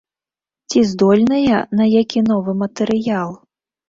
Ці здольныя на які новы матэрыял?